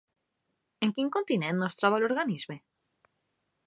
En quin continent no es troba l'organisme?